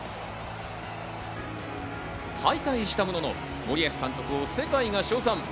敗退したものの、森保監督を世界が称賛。